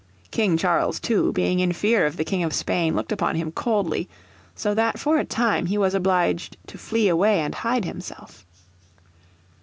King Charles, too, being in fear of the King of Spain, looked upon him coldly, so that for a time he was obliged to flee away and hide himself.